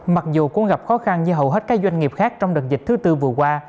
mặc dù cũng gặp khó khăn như hầu hết các doanh nghiệp khác trong đợt dịch thứ tư vừa qua